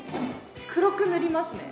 黒く塗りますね。